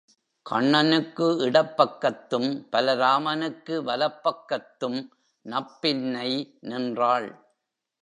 கண்ணனுக்கு இடப்பக்கத்தும் பலராமனுக்கு வலப் பக்கத்தும் நப்பின்னை நின்றாள்.